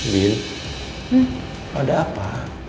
din ada apa